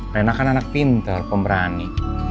rina kan anak pinter pemberani